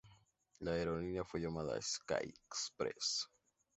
La aerolínea fue llamada Sky Express.